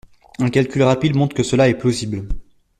Un calcul rapide montre que cela est plausible.